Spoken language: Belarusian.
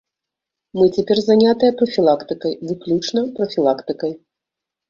Мы цяпер занятыя прафілактыкай, выключна прафілактыкай.